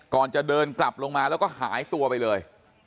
ก่อนจะเดินกลับลงมาแล้วก็หายตัวไปเลย